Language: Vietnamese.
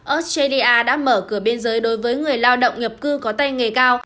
australia đã mở cửa biên giới đối với người lao động nhập cư có tay nghề cao